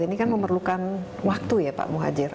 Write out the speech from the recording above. ini kan memerlukan waktu ya pak muhajir